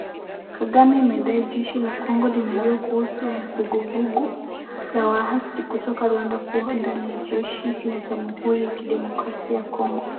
Kagame amedai Jeshi la Kongo linajua kuhusu Vuguvugu la waasi kutoka Rwanda kuwa ndani ya jeshi la Jamhuri ya Kidemokrasia Ya Kongo